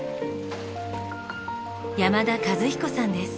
山田和彦さんです。